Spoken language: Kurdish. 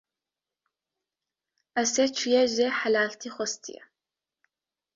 Esê çûye jê helaltî xwestiye